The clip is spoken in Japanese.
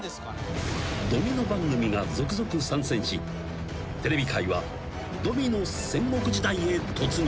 ［ドミノ番組が続々参戦しテレビ界はドミノ戦国時代へ突入した］